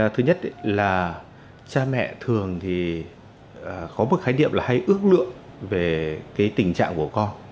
thứ nhất là cha mẹ thường thì có một khái niệm là hay ước lượng về tình trạng của con